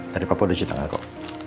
tadi papa udah cuci tangan kok